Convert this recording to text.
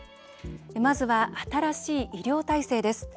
まずは新しい医療体制です。